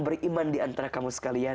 beriman diantara kamu sekalian